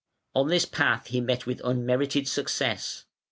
On this path he met with unmerited success.